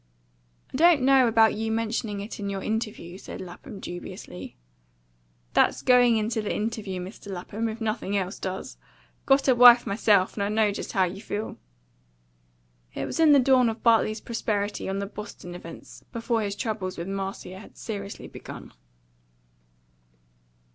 "I don't know about your mentioning it in your interview," said Lapham dubiously. "That's going into the interview, Mr. Lapham, if nothing else does. Got a wife myself, and I know just how you feel." It was in the dawn of Bartley's prosperity on the Boston Events, before his troubles with Marcia had seriously begun.